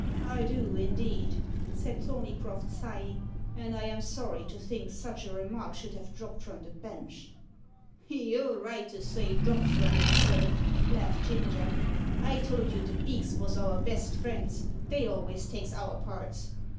"I do, indeed," said Thorneycroft, sighing; "and I am sorry to think such a remark should have dropped from the bench." "You're right to say dropped from it, sir," laughed Ginger. "I told you the beaks vos our best friends; they alvays takes our parts.